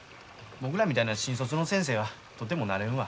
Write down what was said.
僕らみたいな新卒の先生はとてもなれんわ。